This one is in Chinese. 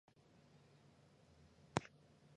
何来最后同意五月前完成服务令。